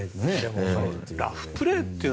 ラフプレーという。